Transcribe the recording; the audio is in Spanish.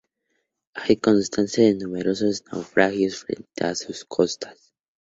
Hay constancia de numerosos naufragios frente a sus costas.